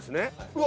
うわ！